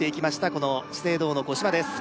この資生堂の五島です